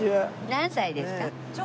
何歳ですか？